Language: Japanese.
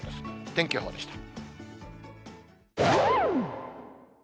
天気予報でした。